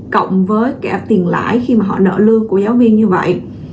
cộng với cả tiền lãi khi mà họ nợ lương của giáo viên như vậy